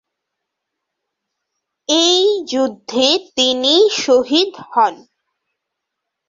এই যুদ্ধে তিনি শহীদ হন।